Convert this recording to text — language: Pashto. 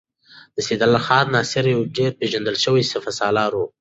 سیدال خان ناصر یو ډېر پیژندل شوی سپه سالار و.